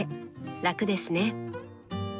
楽ですね。